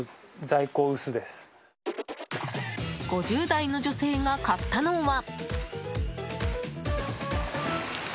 ５０代の女性が買ったのは。